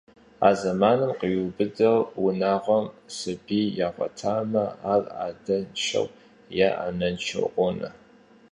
А зэманым къриубыдэу унагъуэм сабий ягъуэтамэ, ар адэншэу е анэншэу къонэ.